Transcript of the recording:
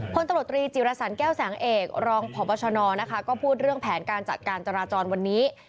พลตำรวจตรีจิรสันแก้วแสงเอกรองพบชนนะคะก็พูดเรื่องแผนการจัดการจราจรวันนี้